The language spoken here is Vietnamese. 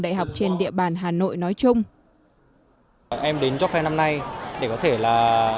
đại học trên địa bàn hà nội nói chung em đến job fair năm nay để có thể là